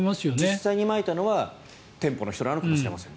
実際にまいたのは店舗の人なのかもしれません。